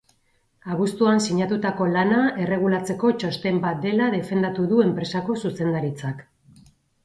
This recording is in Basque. Abuztuan sinatutako lana erregulatzeko txosten bat dela defendatu du enpresako zuzendaritzak.